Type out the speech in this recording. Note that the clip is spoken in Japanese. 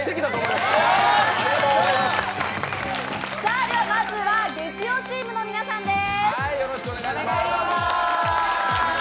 まずは月曜チームの皆さんです。